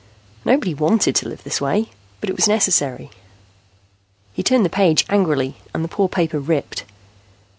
Nobody wanted to live this way, but it was necessary. He turned the page angrily and the poor paper ripped.